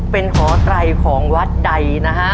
เป็นหอไตรของวัดใดนะฮะ